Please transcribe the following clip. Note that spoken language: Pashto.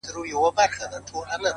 د بشريت له روحه وباسه ته؛